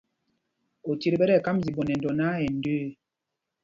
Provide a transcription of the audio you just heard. Otit ɓɛ tí ɛkámb ziɓɔnd nɛ dɔ náǎ, ɛ ndəə.